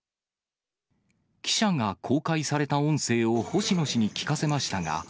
記者が公開された音声を星野氏に聞かせましたが。